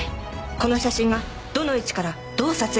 この写真がどの位置からどう撮影されたのか。